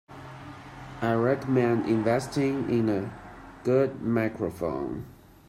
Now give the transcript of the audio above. I recommend investing in a good microphone.